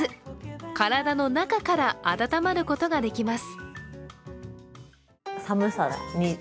体の中から温まることができます。